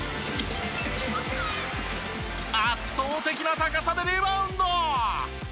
圧倒的な高さでリバウンド！